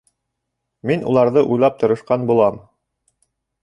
Мин уларҙы уйлап тырышҡан булам.